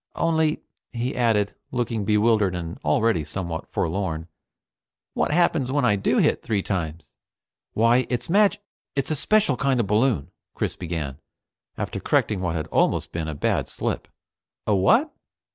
"Only," he added, looking bewildered and already somewhat forlorn, "what happens when I do hit three times?" "Why, it's a mag it's a special kind of balloon," Chris began, after correcting what had almost been a bad slip. "A what?"